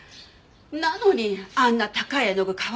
なのにあんな高い絵の具買わせて。